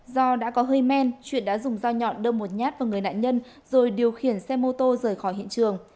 do đã có hơi men truyện đã dùng dao nhọn đâm một nhát vào người nạn nhân rồi điều khiển xe mô tô rời khỏi hiện trường